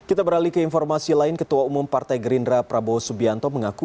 kita beralih ke informasi lain ketua umum partai gerindra prabowo subianto mengaku